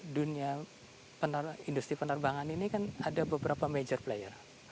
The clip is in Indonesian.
dunia industri penerbangan ini kan ada beberapa major player